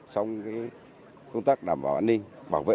trong công tác đảm bảo an ninh